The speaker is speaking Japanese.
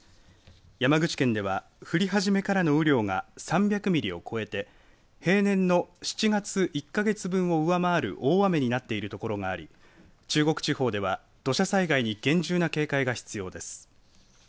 山口県では降り始めからの雨量が３００ミリを超えて平年の７月、１か月分を上回る大雨になっているところがあり中国地方では土砂災害に厳重な警戒が必要です。